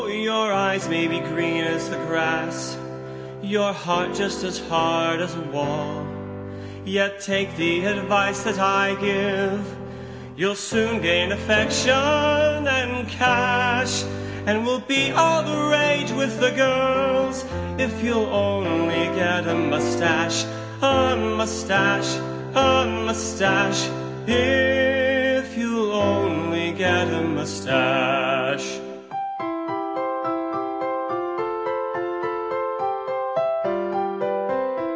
your eyes may be green as the grass Your heart just as hard as a wall. Yet take the advice that I give, You'll soon gain affection and cash, And will be all the rage with the girls, If you'll only get a moustache, A moustache, a moustache, If you'll only get a moustache.